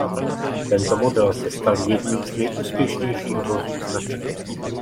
Tento model se stal jedním z nejúspěšnějších vozů značky.